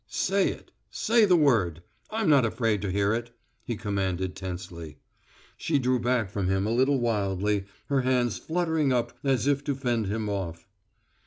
"Say it say the word! I'm not afraid to hear it," he commanded tensely. She drew back from him a little wildly, her hands fluttering up as if to fend him off.